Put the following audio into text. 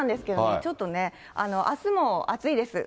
ちょっとね、あすも暑いです。